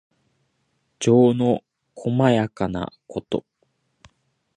情のこまやかなこと。